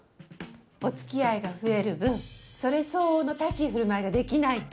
お付き合いが増える分それ相応の立ち居振る舞いができないと。